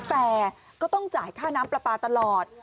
แต่ก็ต้องจ่ายค่าน้ำปลาปลาตลอด